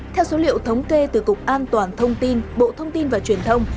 theo số liệu thống kê từ cục an toàn thông tin bộ thông tin và truyền thông